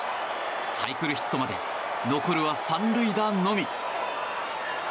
サイクルヒットまで残るは３塁打のみ。